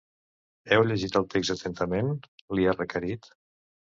Us heu llegit el text atentament?, li ha requerit.